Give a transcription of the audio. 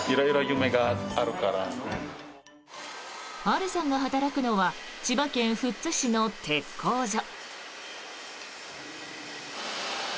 アルさんが働くのは千葉県富津市の鉄工所。